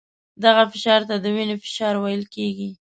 دغه فشار ته د وینې فشار ویل کېږي.